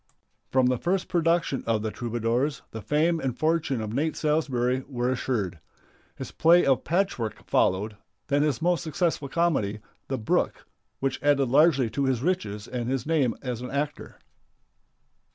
From the first production of "The Troubadours" the fame and fortune of Nate Salsbury were assured. His play of "Patchwork" followed, then his most successful comedy, "The Brook," which added largely to his riches and his name as an actor.